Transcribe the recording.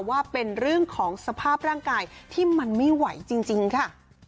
ว่าเป็นเรื่องของสภาพร่างกายที่มันไม่ไหวจริงค่ะ